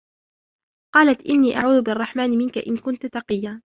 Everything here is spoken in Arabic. قَالَتْ إِنِّي أَعُوذُ بِالرَّحْمَنِ مِنْكَ إِنْ كُنْتَ تَقِيًّا